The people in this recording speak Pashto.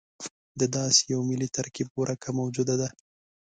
د داسې یوه ملي ترکیب ورکه موجوده ده.